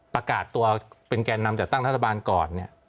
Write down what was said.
ประกาศตัวเป็นแกนนำจากตั้งทัศนบาลก่อน